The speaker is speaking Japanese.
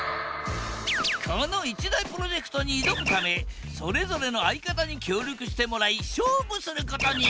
この一大プロジェクトに挑むためそれぞれの相方に協力してもらい勝負することに。